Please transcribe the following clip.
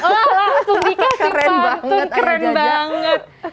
wah langsung dikasih pantun keren banget